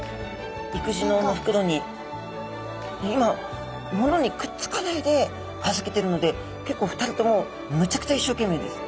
育児のうのふくろに今ものにくっつかないで預けてるので結構２人ともむちゃくちゃいっしょうけんめいです。